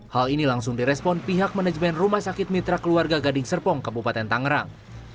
hal ini langsung direspon pihak manajemen rumah sakit mitra keluarga gading serpong kabupaten tangerang